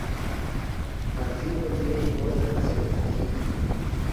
مغزي حجرې اوس څېړل کېږي.